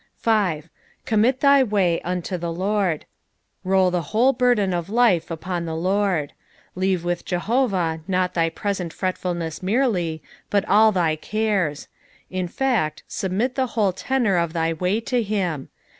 S. " Commit thy Kay unto the Lard." Roll the whole burden of life upon the Iiord. Leave with Jehovah not thy present fretfulness merely, but all thy ores i in fact, submit the whole tenor of thy way to him.